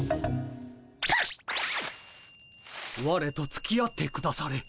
われとつきあってくだされ。